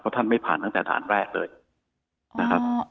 ท่านไม่ผ่านตั้งแต่ด่านแรกเลยนะครับ